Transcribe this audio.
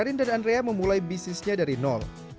karin dan andrea memulai bisnisnya dari nol dan kemudian kembali ke kota